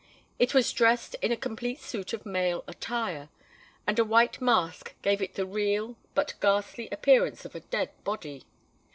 It was dressed in a complete suit of male attire; and a white mask gave it the real but ghastly appearance of a dead body.